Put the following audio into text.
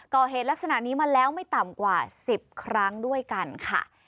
ก่อเหตุลักษณะนี้มาแล้วไม่ต่ำกว่า๑๐ครั้งด้วยกันค่ะ